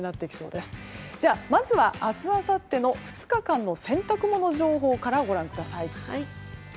まずは明日あさっての２日間の洗濯物情報から、ご覧ください。